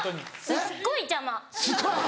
すっごい邪魔。